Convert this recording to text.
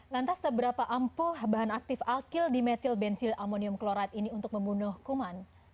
lantas seberapa ampuh bahan aktif alkil di metil bensil amonium klorat ini untuk membunuh kuman